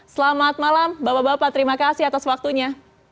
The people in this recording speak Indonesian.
selamat malam bapak bapak terima kasih atas waktunya